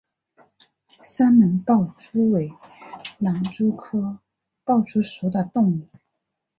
三门豹蛛为狼蛛科豹蛛属的动物。